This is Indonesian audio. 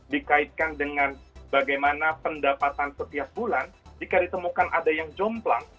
dikaitkan dengan bagaimana pendapatan setiap bulan jika ditemukan ada yang jomplang